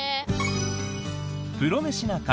「プロメシな会」